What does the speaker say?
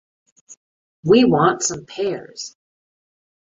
We want some pears.